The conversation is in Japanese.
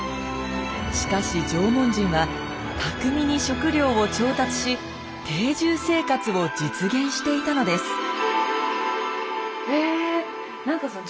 しかし縄文人は巧みに食料を調達し定住生活を実現していたのです。